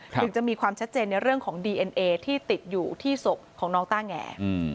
ถึงจะมีความชัดเจนในเรื่องของดีเอ็นเอที่ติดอยู่ที่ศพของน้องต้าแง